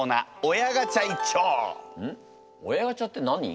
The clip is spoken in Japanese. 親ガチャって何？